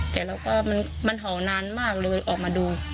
แต่เราก็มันเห่านานมากเลยออกมาดู